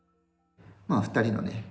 まあ２人のね